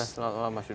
selamat malam mas yudi